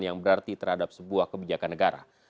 yang berarti terhadap sebuah kebijakan negara